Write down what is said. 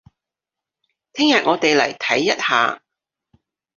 聽日我哋嚟睇一下